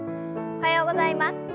おはようございます。